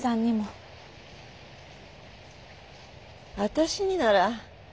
私になら。